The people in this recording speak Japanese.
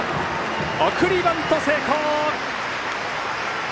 送りバント成功。